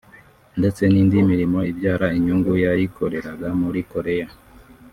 ndetse n’indi mirimo ibyara inyungu yayikoreraga muri Koreya